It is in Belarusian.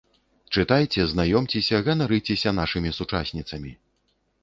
Чытайце, знаёмцеся, ганарыцеся нашымі сучасніцамі!